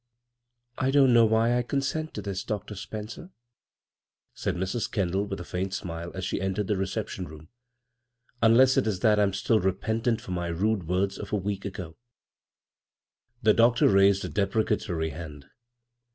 " I don't know why I consent to this, Dr. Spencer," said Mrs. Kendall, with a faint smile as she entered the reception room, "unless it is that I'm still repentant for my rude words of a week ago." The doctor raised a deprecatory hand.